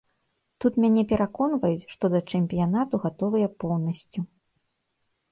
Тут мяне пераконваюць, што да чэмпіянату гатовыя поўнасцю.